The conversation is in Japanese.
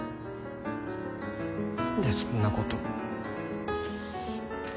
何でそんなことを。